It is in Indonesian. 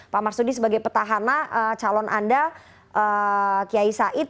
pak marsudi sebagai petahana calon anda kiai said